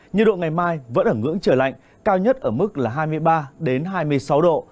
nhiệt độ ngày mai vẫn ở ngưỡng trời lạnh cao nhất ở mức là hai mươi ba hai mươi sáu độ